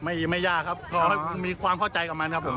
ไม่ยากครับเพราะมีความเข้าใจกับมันครับผม